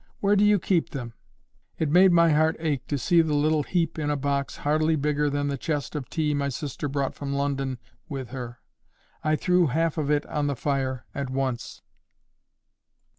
Where do you keep them?" It made my heart ache to see the little heap in a box hardly bigger than the chest of tea my sister brought from London with her. I threw half of it on the fire at once.